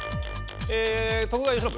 徳川慶喜。